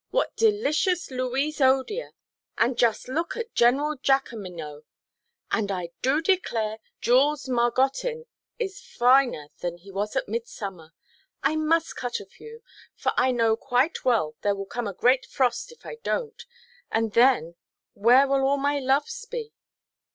What delicious Louise Odier, and just look at General Jacqueminot! and I do declare Jules Margottin is finer than he was at Midsummer. I must cut a few, for I know quite well there will come a great frost if I donʼt, and then where will all my loves be?"